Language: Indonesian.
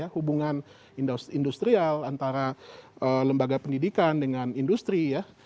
hubungan industrial antara lembaga pendidikan dengan industri ya